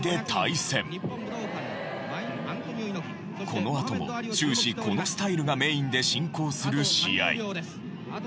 このあとも終始このスタイルがメインで進行する試合。